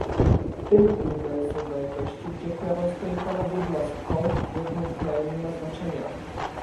W tym uniwersum wartości, gdzie prawo stoi ponad jednostką, rozmiar kraju nie ma znaczenia